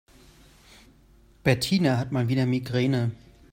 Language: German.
Bettina hat mal wieder Migräne.